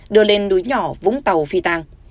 đưa lên núi nhỏ vũng tàu phi tàng